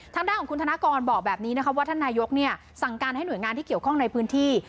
ทางด้านของคุณธนกรบอกแบบนี้นะคะว่าท่านนายกสั่งการให้หน่วยงานที่เกี่ยวข้องในพื้นที่